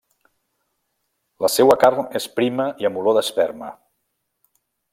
La seua carn és prima i amb olor d'esperma.